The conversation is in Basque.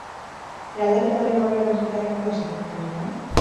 Eraldaketa honen aurrean auzotarrak nola sentitzen dira?